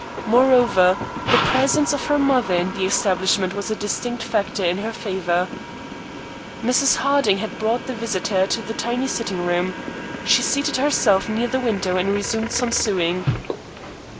Moreover, the presence of her mother in the establishment was a distinct factor in her favor. Mrs. Harding had brought the visitor to the tiny sitting room. She seated herself near the window and resumed some sewing.